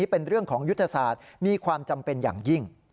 เป็นเรื่องของยุทธศาสตร์มีความจำเป็นอย่างยิ่ง